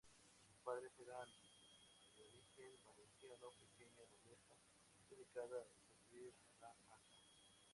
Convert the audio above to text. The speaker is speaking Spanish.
Sus padres eran de origen valenciano: pequeña nobleza dedicada a servir a la alta.